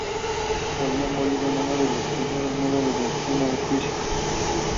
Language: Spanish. Volvió a morir en uno de los primeros números de Final Crisis.